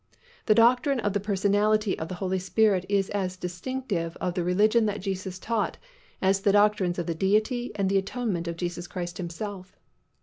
The doctrine of the Personality of the Holy Spirit is as distinctive of the religion that Jesus taught as the doctrines of the Deity and the atonement of Jesus Christ Himself.